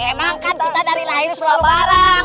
emang kan kita dari lain selalu bareng